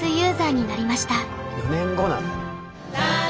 ４年後なんだ。